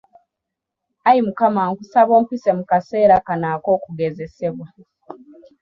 Ayi Mukama nkusaba ompise mu kaseera kano ak'okugezesebwa.